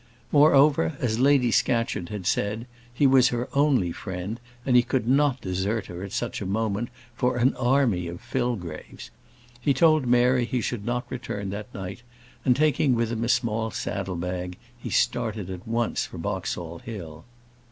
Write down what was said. Moreover, as Lady Scatcherd had said, he was her only friend, and he could not desert her at such a moment for an army of Fillgraves. He told Mary he should not return that night; and taking with him a small saddle bag, he started at once for Boxall Hill.